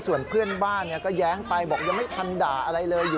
ส่วนเพื่อนบ้านก็แย้งไปบอกยังไม่ทันด่าอะไรเลย